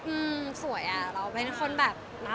อืมสวยอ่ะเราเป็นคนแบบนะ